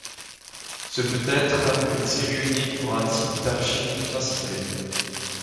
Ce peut-être une série unique pour un type d'archives bien ciblé.